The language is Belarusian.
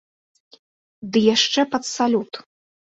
Ды яшчэ пад салют!